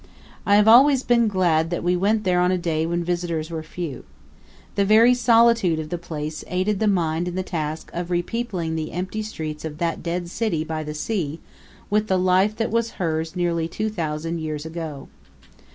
I have always been glad that we went there on a day when visitors were few. The very solitude of the place aided the mind in the task of repeopling the empty streets of that dead city by the sea with the life that was hers nearly two thousand years ago.